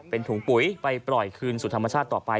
เป็นถุงปุ๋ยไปปล่อยคืนสู่ธรรมชาติต่อไป